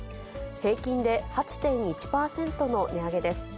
平均で８．１％の値上げです。